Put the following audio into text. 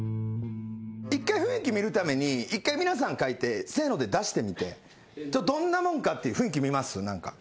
一回雰囲気見るために一回皆さん書いてせので出してみてどんなもんかっていう雰囲気見ます？